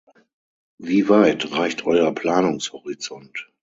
Wie weit reicht euer Planungshorizont?